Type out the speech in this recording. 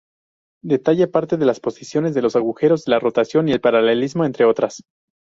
Detalla aparte las posiciones de los agujeros, la rotación y el paralelismo entre otras.